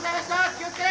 気をつけ！